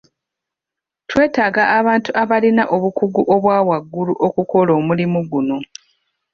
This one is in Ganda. Twetaaga abantu abalina obukugu obwa waggulu okukola omulimu guno.